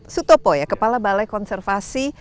sutopo kepala balai konservasi